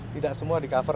tidak semua di cover